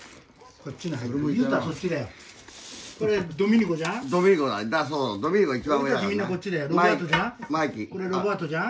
これロバァトじゃん？